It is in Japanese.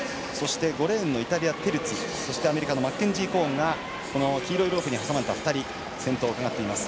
５レーンのイタリア、テルツィアメリカのマッケンジー・コーンが黄色いロープに挟んだ２人先頭をいっています。